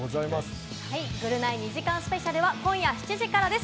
『ぐるナイ』２時間スペシャルは今夜７時からです。